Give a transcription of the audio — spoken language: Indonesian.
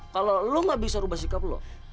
kalau lo gak bisa rubah sikap lo